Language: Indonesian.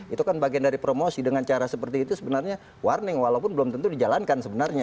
itu kan bagian dari promosi dengan cara seperti itu sebenarnya warning walaupun belum tentu dijalankan sebenarnya